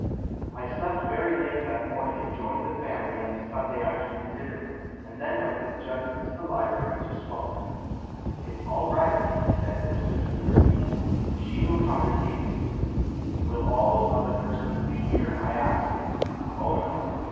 I slept very late that morning and joined the family at the Sunday afternoon dinner; and then went with Judson to the library to smoke. "It's all right," he said, as soon as we were seated. "She will come this evening." "Will all those other persons be here?" I asked. "Oh, no.